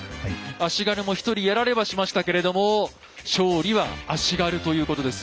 足軽も１人やられはしましたけれども勝利は足軽ということです。